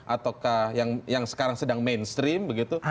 ataukah yang sekarang sedang mainstream begitu